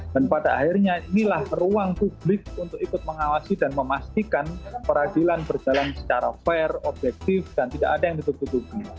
dan pada akhirnya inilah ruang publik untuk ikut mengawasi dan memastikan peradilan berjalan secara fair objektif dan tidak ada yang ditutupi